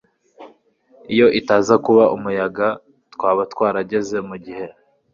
iyo itaza kuba umuyaga, twaba twarageze mugihe